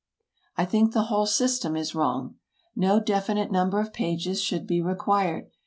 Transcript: I think the whole system is wrong. No definite number of pages should be required.